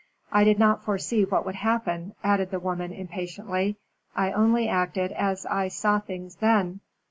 I did not foresee what would happen," added the woman, impatiently. "I only acted as I saw things then.